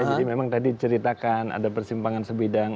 jadi memang tadi ceritakan ada persimpangan sebidang